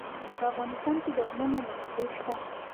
په افغانستان کې د غرونه منابع شته.